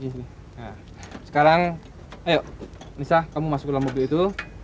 sekarang ayo nisa kamu masuk ke dalam mobil itu